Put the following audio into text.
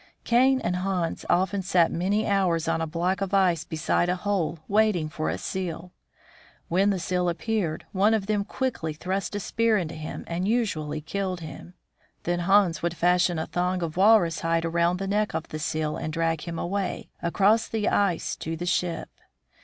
Kane and Hans often sat many hours on a block of ice beside a hole, waiting for a seal. When the seal appeared, one of them quickly thrust a spear into him and usually killed him. Then Hans would fasten a thong of walrus hide about the neck of the seal and drag him away, across the ice, to the ship.